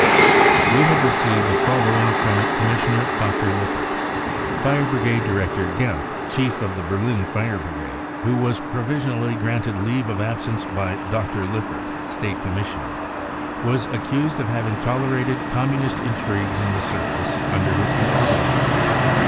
We have received the following from Commissioner Dr. 122 BROWN BOOK OF THE HITLER TERROR Lippert : Fire brigade director Gempp, chief of the Berlin fire brigade, who was provisionally granted leave '* of absence by Dr. Lippert, State Commissioner, was accused of having tolerated Communist intrigues in the service under his control.